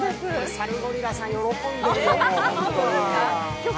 サルゴリラさん、喜んでるよ。